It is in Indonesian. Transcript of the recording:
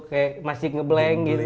kayak masih ngebleng gitu